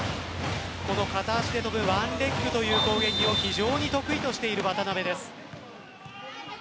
この片足で跳ぶ１レッグという攻撃を非常に得意としている渡邊です。